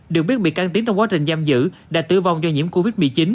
được biết bị can tiến trong quá trình giam giữ đã tử vong do nhiễm covid một mươi chín